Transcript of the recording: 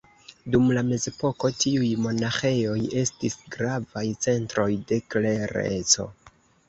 Dum la mezepoko tiuj monaĥejoj estis gravaj centroj de klereco.